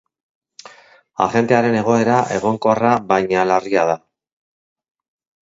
Agentearen egoera egonkorra baina larria da.